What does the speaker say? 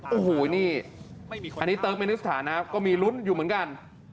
อันนี้เตอร์กเมนูสถานก็มีลุ้นอยู่เหมือนกัน